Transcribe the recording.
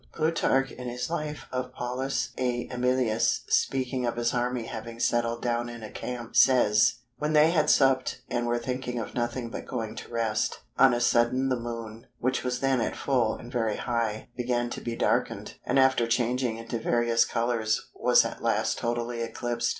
Plutarch in his Life of Paulus Æmilius, speaking of his army having settled down in a camp, says:—"When they had supped and were thinking of nothing but going to rest, on a sudden the Moon, which was then at full and very high, began to be darkened, and after changing into various colours, was at last totally eclipsed.